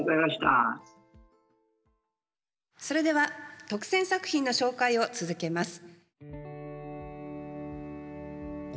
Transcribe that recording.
それでは特選作品の紹介を続けます。